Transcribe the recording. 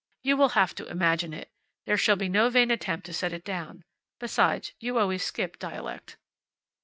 You will have to imagine it. There shall be no vain attempt to set it down. Besides, you always skip dialect.